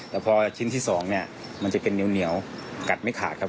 แต่พอชิ้นที่๒เนี่ยมันจะเป็นเหนียวกัดไม่ขาดครับ